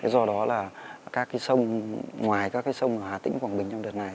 do đó là các cái sông ngoài các cái sông hà tĩnh quảng bình trong đợt này